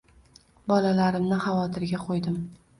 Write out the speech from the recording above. Bolalarimni xavotirga qo`ydim